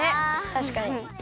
たしかに。